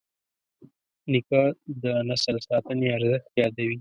نیکه د نسل ساتنې ارزښت یادوي.